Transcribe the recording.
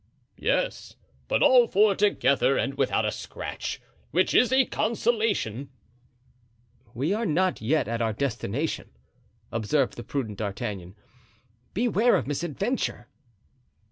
"Yes; but all four together and without a scratch; which is a consolation." "We are not yet at our destination," observed the prudent D'Artagnan; "beware of misadventure."